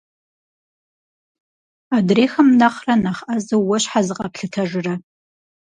Адрейхэм нэхърэ нэхъ ӏэзэу уэ щхьэ зыкъэплъытэжрэ?